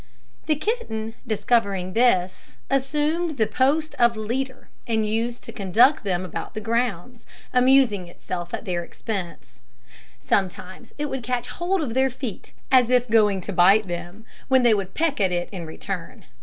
The kitten, discovering this, assumed the post of leader, and used to conduct them about the grounds, amusing itself at their expense. Sometimes it would catch hold of their feet, as if going to bite them, when they would peck at it in return.